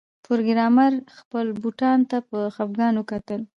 پروګرامر خپلو بوټانو ته په خفګان وکتل